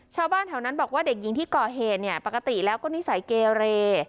ชาวบ้านแถวนั้นบอกว่าเด็กหญิงที่ก่อเหตุเนี่ยปกติแล้วก็นิสัยเกเร